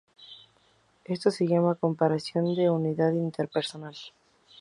Esto se llama "comparación de utilidad interpersonal".